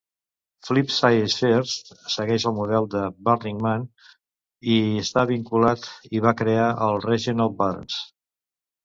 Flipside is First segueix el model de Burning Man i hi està vinculat, i va crear els Regional Burns.